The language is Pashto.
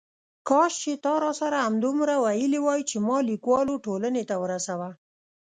کاش چې تا راسره همدومره ویلي وای چې ما لیکوالو ټولنې ته ورسوه.